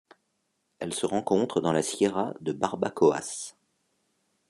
Elle se rencontre dans la Sierra de Barbacoas.